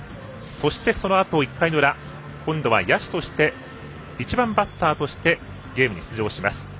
そして、そのあと１回の裏今度は野手として１番バッターとしてゲームに出場します。